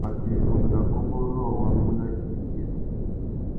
Watu iffundu nà kônkô rôō wá mú nà ipîmbîri.